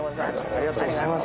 ありがとうございます。